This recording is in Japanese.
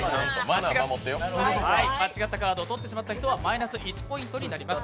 間違ったカードを取ってしまった方はマイナス１ポイントとなります。